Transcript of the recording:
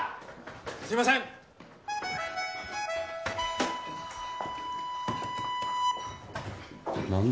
すいません何だ？